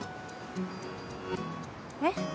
えっ？